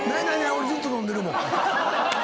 俺ずっと飲んでるもん。